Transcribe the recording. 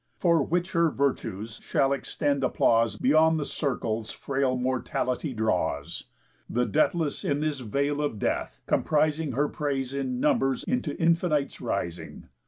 For which her virtues shall extend applause, Beyond the circles frail mortality draws; The deathless in this vale of death comprising Her praise in numbers into infinites rising.